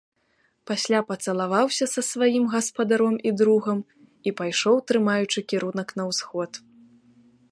Пасля пацалаваўся са сваім гаспадаром і другам і пайшоў, трымаючы кірунак на ўсход.